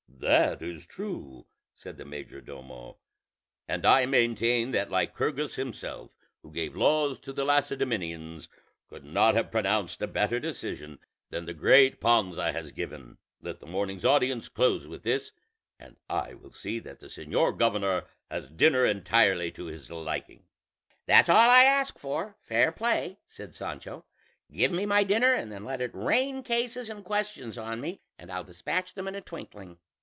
"That is true," said the major domo; "and I maintain that Lycurgus himself, who gave laws to the Lacedæmonians, could not have pronounced a better decision than the great Panza has given; let the morning's audience close with this, and I will see that the senor governor has dinner entirely to his liking." "That's all I ask for fair play," said Sancho; "give me my dinner, and then let it rain cases and questions on me, and I'll dispatch them in a twinkling."